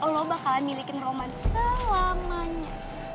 lo bakalan milikin roman selamanya